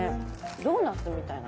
ドーナツみたいな。